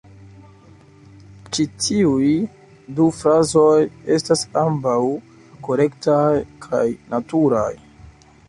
Ĉi tiuj du frazoj estas ambaŭ korektaj kaj naturaj.